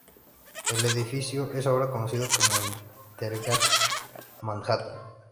El edificio es ahora conocido como Intergate.Manhattan.